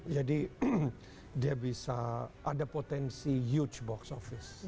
jadi dia bisa ada potensi huge box office